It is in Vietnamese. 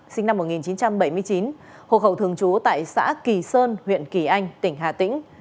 sinh năm một nghìn chín trăm bảy mươi chín hộ khẩu thường trú tại xã kỳ sơn huyện kỳ anh tỉnh hà tĩnh